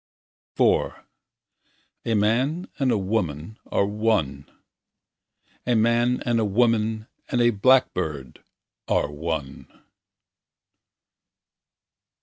IV A man and a woman Are one. A man and a woman and a blackbird Are one.